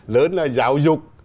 lớn là giáo dục